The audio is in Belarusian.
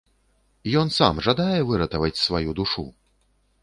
Ён сам жадае выратаваць сваю душу?